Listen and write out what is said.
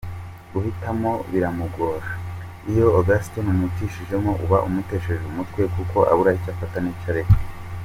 Guhitamo biramugora ,iyo Augustin umuhitishijemo uba umutesheje umutwe kuko abura icyo afata nicyo areka.